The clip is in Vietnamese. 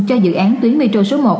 cho dự án tuyến metro số một